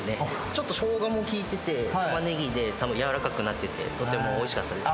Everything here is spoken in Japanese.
ちょっとショウガも効いてて、玉ねぎでたぶん柔らかくなってて、とてもおいしかったです。